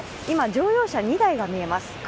今乗用車２台が見えます。